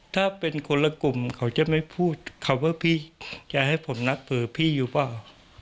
ถ้าเป็นคนละกลุ่มเขาจะไม่พูดคำว่าพี่จะให้ผมนัดเผลอพี่อยู่เปล่า